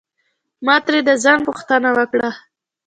ما ترې د ځنډ پوښتنه وکړه.